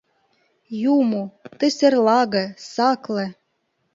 «Юмо, тый серлаге, сакле